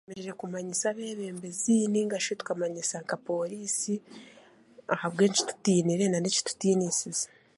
Twine kumanyisa ab'ebembezi nainga shi tu kamanyisa nka poriisi ahabwenki tutiinire nan'ekitutiinisize